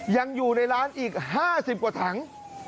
ยังอยู่ในร้านอีก๕๐กว่าถัง